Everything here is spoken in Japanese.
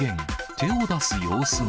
手を出す様子も。